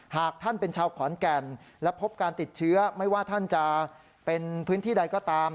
หากท่านเป็นชาวขอนแก่นและพบการติดเชื้อไม่ว่าท่านจะเป็นพื้นที่ใดก็ตาม